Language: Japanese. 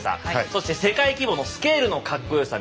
そして世界規模のスケールのカッコよさ